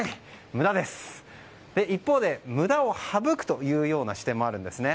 一方で、無駄を省くというような視点もあるんですね。